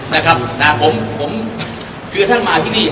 นะครับคือท่านมาที่นี่